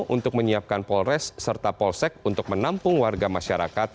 untuk menyiapkan polres serta polsek untuk menampung warga masyarakat